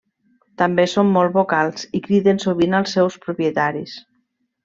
També són molt vocals, i criden sovint als seus propietaris.